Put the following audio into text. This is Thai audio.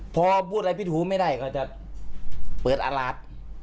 พอพูดอะไรพิธรูปไม่ได้ก็จะเปิดอราศ